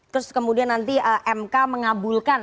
terus kemudian nanti mk mengabulkan